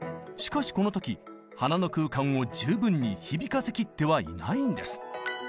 しかしこの時鼻の空間を十分に響かせきってはいないんです。